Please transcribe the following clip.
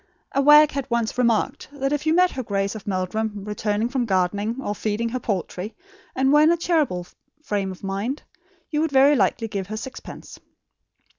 A wag had once remarked that if you met her Grace of Meldrum returning from gardening or feeding her poultry, and were in a charitable frame of mind, you would very likely give her sixpence.